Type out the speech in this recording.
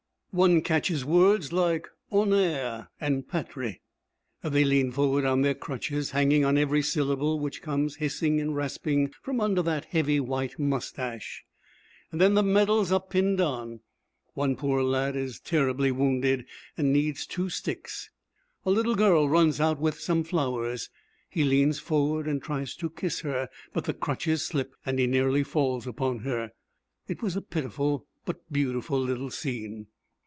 One catches words like 'honneur' and 'patrie.' They lean forward on their crutches, hanging on every syllable which comes hissing and rasping from under that heavy white moustache. Then the medals are pinned on. One poor lad is terribly wounded and needs two sticks. A little girl runs out with some flowers. He leans forward and tries to kiss her, but the crutches slip and he nearly falls upon her. It was a pitiful but beautiful little scene.